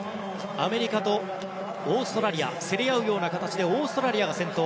アメリカとオーストラリア競り合うような形でオーストラリアが先頭。